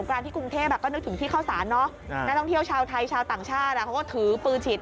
แล้วก็มีเจ้าหน้าที่เทศกิจ